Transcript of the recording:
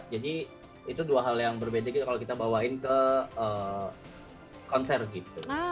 jadi itu dua hal yang berbeda gitu kalau kita bawain ke konser gitu